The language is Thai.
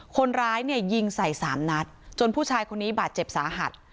คนร้ายเนี่ยยิงใส่๓นัดจนผู้ชายคนนี้บาดเจ็บสาหัส